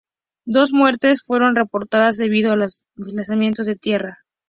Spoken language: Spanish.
Dos muertes fueron reportadas debido a los deslizamientos de tierra.